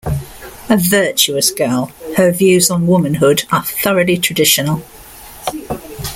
A "virtuous" girl, her views on womanhood are thoroughly traditional.